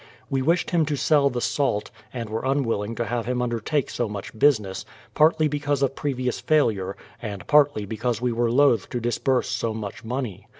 We wished him to sell the salt, and were unwilling to have him undertake so much business, partly because of previous failure, and partly because we Avere loth to disburse so much money.